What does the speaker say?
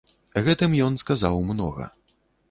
Гэтым ён сказаў многа.